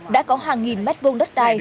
đã có hàng nghìn mát vông đất đai